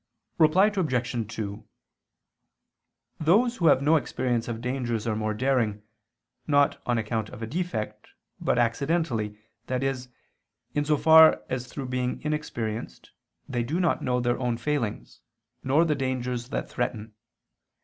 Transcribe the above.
Reply Obj. 2: Those who have no experience of dangers are more daring, not on account of a defect, but accidentally, i.e. in so far as through being inexperienced they do not know their own failings, nor the dangers that threaten.